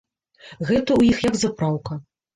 Гэта ў іх як запраўка.